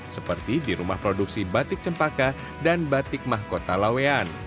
seperti di rumah produksi batik cempaka dan batik mahkota lawean